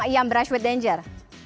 yang brush with danger